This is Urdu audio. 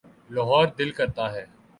لاہور دل کرتا ہے۔